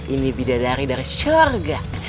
ini bidadari dari syurga